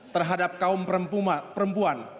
terhadap kaum perempuan